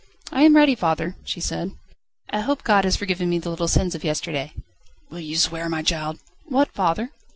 "I am ready, father," she said; "I hope God has forgiven me the little sins of yesterday." "Will you swear, my child?" "What, father?"